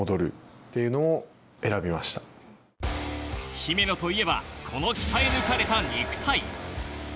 姫野といえば、この鍛え抜かれた肉体。